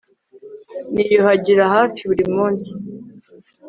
Niyuhagira hafi buri munsi